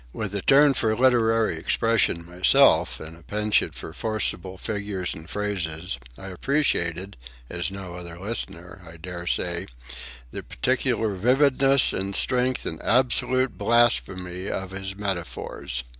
With a turn for literary expression myself, and a penchant for forcible figures and phrases, I appreciated, as no other listener, I dare say, the peculiar vividness and strength and absolute blasphemy of his metaphors.